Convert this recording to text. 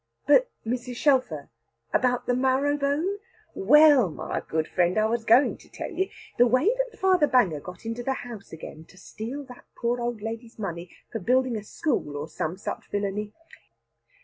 "But, Mrs. Shelfer, about the marrow bone " "Well, my good friend, I was going to tell you. The way that Father Banger got into the house again to steal the poor old lady's money, for building a school or some such villany.